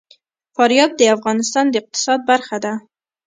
فاریاب د افغانستان د اقتصاد برخه ده.